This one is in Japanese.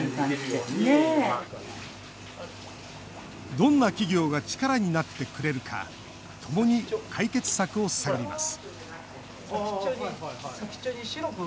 どんな企業が力になってくれるかともに解決策を探ります